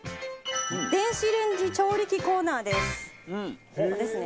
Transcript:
電子レンジ調理器コーナーです。ですね。